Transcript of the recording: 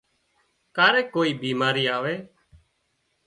ڪاريڪ ڪوئي بيماري آوي